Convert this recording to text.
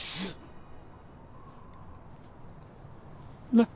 なっ？